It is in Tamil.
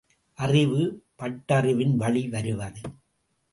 அறிவு, பட்டறிவின் வழி வருவது.